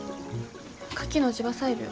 カキの地場採苗。